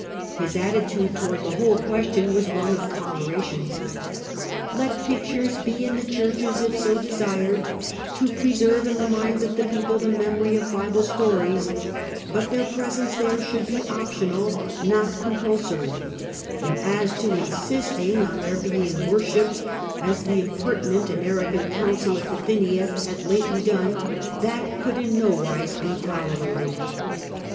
His attitude towards the whole question was one of tolera tion. " Let pictures be in the churches if so desired, to preserve in the minds of the people the memory of Bible stories ; but their presence there should be optional, not compulsory, and as to insisting on their being worshipped, as the impertinent and arrogant council at Bithynia had lately done, that could in nowise be tolerated."